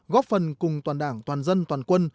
góp phần cùng toàn đảng toàn dân toàn quân